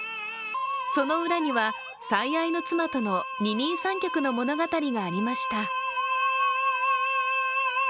その裏には、最愛の妻との二人三脚の物語がありました。